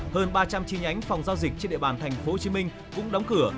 hơn ba trăm linh chi nhánh phòng giao dịch trên địa bàn tp hcm cũng đóng cửa